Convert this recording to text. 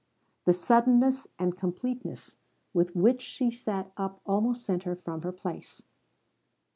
The suddenness and completeness with which she sat up almost sent her from her place.